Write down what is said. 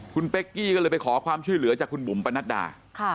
คุณเป๊กกี้ก็เลยไปขอความช่วยเหลือจากคุณบุ๋มปนัดดา